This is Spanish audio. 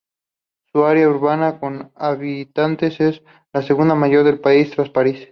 Su área urbana, con habitantes, es la segunda mayor del país, tras París.